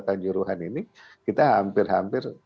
kanjuruhan ini kita hampir hampir